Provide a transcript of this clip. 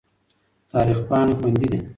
تاریخ پاڼې خوندي دي.